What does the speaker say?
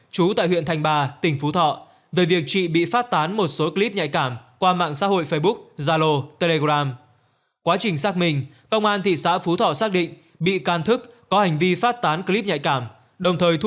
trú tại huyện thanh ba tỉnh phú thọ về việc chị bị phát tán một số clip nhạy cảm qua mạng xã hội facebook